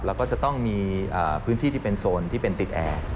แล้วก็จะต้องมีพื้นที่ที่เป็นโซนที่เป็นติดแอร์